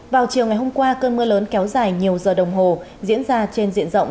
vào chiều ngày hôm qua cơn mưa lớn kéo dài nhiều giờ đồng hồ diễn ra trên diện rộng